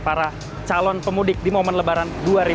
para calon pemudik di momen lebaran